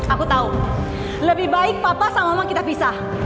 aku tahu lebih baik papa sama mama kita pisah